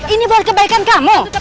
ini buat kebaikan kamu